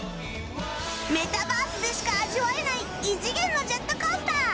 メタバースでしか味わえない異次元のジェットコースター